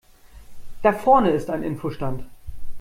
Da vorne ist ein Info-Stand.